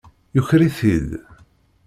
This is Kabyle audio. Yuker-it-id.